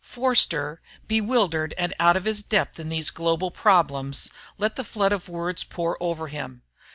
Forster, bewildered and out of his depth in these global problems, let the flood of words pour over him.